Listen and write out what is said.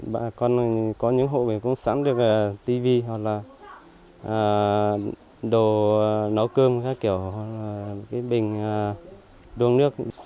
bà con có những hộ mình cũng sẵn được tv hoặc là đồ nấu cơm khác kiểu hoặc là cái bình đuông nước